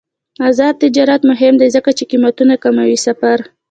آزاد تجارت مهم دی ځکه چې قیمتونه کموي سفر.